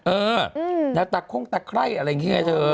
เออหน้าตาคงตาไข้อะไรอย่างนี้ใช่ไหม